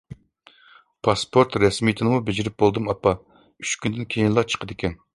پاسپورت رەسمىيىتىنىمۇ بېجىرىپ بولدۇم ئاپا، ئۈچ كۈندىن كېيىنلا چىقىدىكەن.